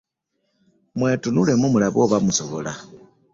Mwetunulemu mulabe oba musobola.